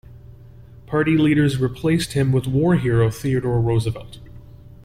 Party leaders replaced him with war hero Theodore Roosevelt.